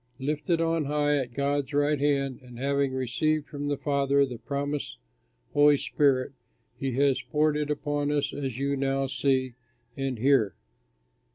Lifted on high at God's right hand and having received from the Father the promised Holy Spirit, he has poured it upon us as you now see and hear.